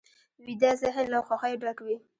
ویده ذهن له خوښیو ډک وي